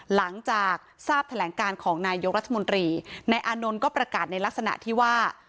หลังจากทราบแถลงการของนายกรัฐมนตรีนายอานนท์ก็ประกาศในลักษณะที่ว่า